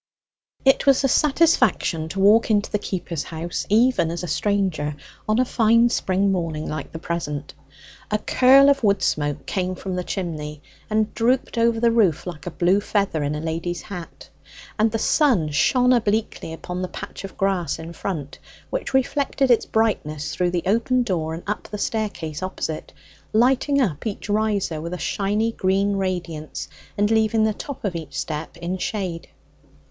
It was a satisfaction to walk into the keeper's house, even as a stranger, on a fine spring morning like the present. A curl of wood smoke came from the chimney, and drooped over the roof like a blue feather in a lady's hat; and the sun shone obliquely upon the patch of grass in front, which reflected its brightness through the open doorway and up the staircase opposite, lighting up each riser with a shiny green radiance, and leaving the top of each step in shade.